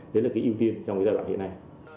đấy là cái ưu tiên trong cái giai đoạn hiện nay